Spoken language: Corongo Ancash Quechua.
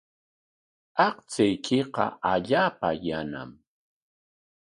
Aqchaykiqa allaapa yanam.